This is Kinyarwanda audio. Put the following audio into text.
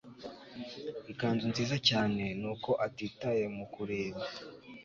ikanzu nziza cyaneeeee nuko atitaye mukureba